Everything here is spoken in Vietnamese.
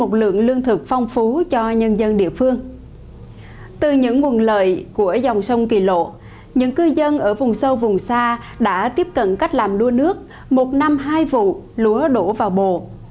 từ những nguồn lợi của dòng sông kỳ lộ những cư dân ở vùng sâu vùng xa đã tiếp cận cách làm đua nước một năm hai vụ lúa đổ vào bồ